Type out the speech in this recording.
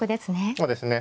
そうですね。